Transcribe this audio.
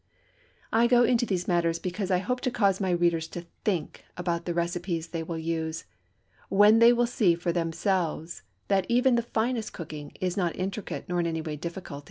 I go into these matters because I hope to cause my readers to think about the recipes they will use, when they will see for themselves that even the finest cooking is not intricate nor in any way difficult.